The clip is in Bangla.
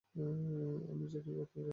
আমরা জরুরি অবতরণ করছি।